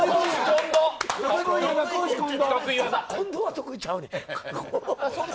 混同は得意ちゃうねん。